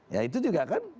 ya itu juga kan